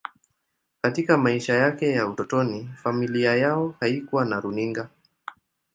Katika maisha yake ya utotoni, familia yao haikuwa na runinga.